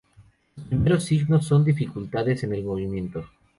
Los primeros signos son dificultades en el movimiento.